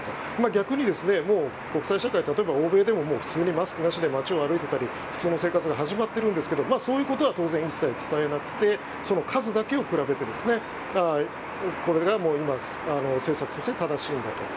逆に、国際社会例えば、欧米でももう普通にマスクなしで街を歩いていたり普通の生活が始まっているんですけどそういうことは一切伝えなくてその数だけを比べてこれが今、政策として正しいんだと。